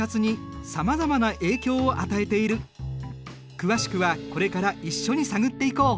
詳しくはこれから一緒に探っていこう。